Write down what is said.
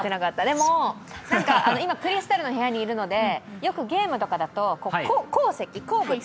でも今、クリスタルの部屋にいるので、よくゲームなんかだと鉱石、鉱物？